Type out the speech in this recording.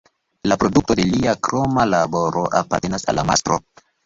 La produkto de lia kroma laboro apartenas al la mastro.